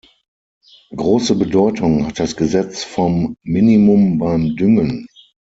Große Bedeutung hat das Gesetz vom Minimum beim Düngen.